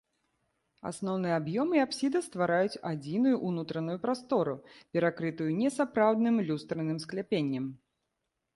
Асноўны аб'ём і апсіда ствараюць адзіную ўнутраную прастору, перакрытую несапраўдным люстраным скляпеннем.